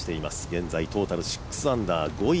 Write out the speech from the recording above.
現在トータル４アンダー５位